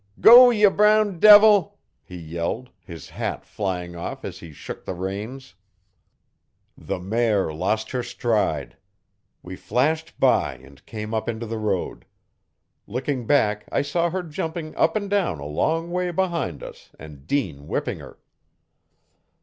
'Go, ye brown devil!' he yelled, his hat flying off as he shook the reins. The mare lost her stride; we flashed by and came up into the road. Looking back I saw her jumping up and down a long way behind us and Dean whipping her.